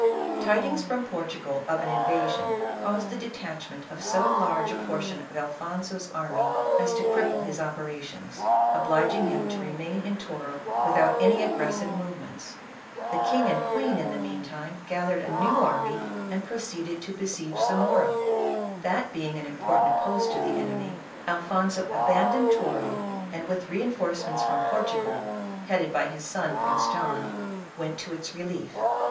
Tidings from Portugal of an invasion, caused the de tachment of so large a portion of Alfonso's army as to cripple his operations, obliging him to remain in Toro without any aggressive movements. The king and queen in the meantime gathered a new army and pro ceeded to besiege Zainora. That being an important post to the enemy, Alfonso abandoned Toro, and with reinforcements from Portugal, headed by his son Prince John, went to its relief.